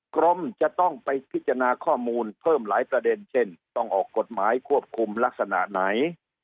กรมจะต้องไปพิจารณาข้อมูลเพิ่มหลายประเด็นเช่นต้องออกกฎหมายควบคุมลักษณะไหน